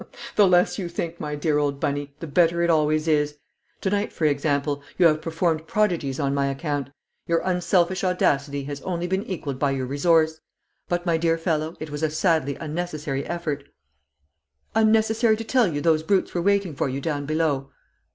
"The less you think, my dear old Bunny, the better it always is! To night, for example, you have performed prodigies on my account; your unselfish audacity has only been equalled by your resource; but, my dear fellow, it was a sadly unnecessary effort." "Unnecessary to tell you those brutes were waiting for you down below?"